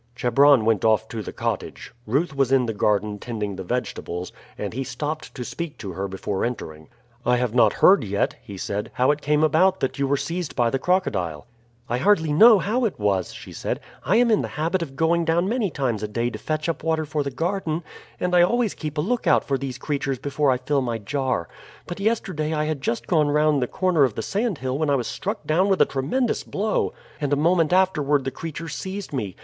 Chebron went off to the cottage. Ruth was in the garden tending the vegetables, and he stopped to speak to her before entering. "I have not heard yet," he said, "how it came about that you were seized by the crocodile." "I hardly know how it was," she said. "I am in the habit of going down many times a day to fetch up water for the garden, and I always keep a lookout for these creatures before I fill my jar; but yesterday I had just gone round the corner of the sandhill when I was struck down with a tremendous blow, and a moment afterward the creature seized me.